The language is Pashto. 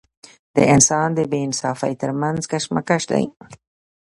د انسان د بې انصافۍ تر منځ کشمکش دی.